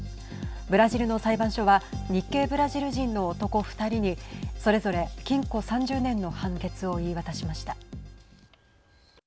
ブラジルの裁判所は日系ブラジル人の男２人にそれぞれ禁錮３０年の判決を言い渡しました。